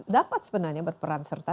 dapat sebenarnya berperan serta